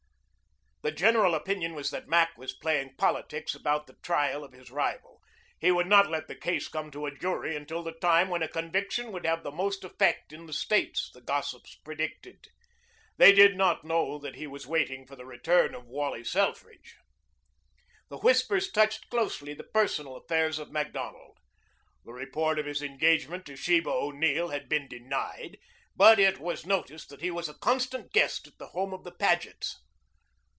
The general opinion was that Mac was playing politics about the trial of his rival. He would not let the case come to a jury until the time when a conviction would have most effect in the States, the gossips predicted. They did not know that he was waiting for the return of Wally Selfridge. The whispers touched closely the personal affairs of Macdonald. The report of his engagement to Sheba O'Neill had been denied, but it was noticed that he was a constant guest at the home of the Pagets.